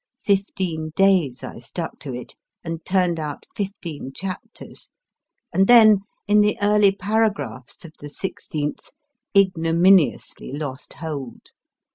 Fifteen days I stuck to it, and turned out fifteen chapters ; and then, in the early paragraphs of the sixteenth, ignominiously lost hold.